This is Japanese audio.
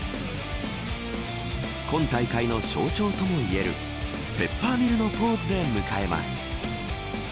今大会の象徴ともいえるペッパーミルのポーズで迎えます。